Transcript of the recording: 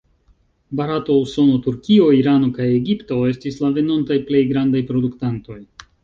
Barato, Usono, Turkio, Irano kaj Egipto estis la venontaj plej grandaj produktantoj.